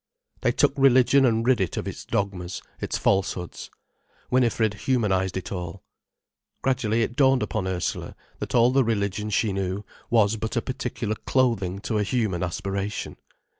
They took religion and rid it of its dogmas, its falsehoods. Winifred humanized it all. Gradually it dawned upon Ursula that all the religion she knew was but a particular clothing to a human aspiration.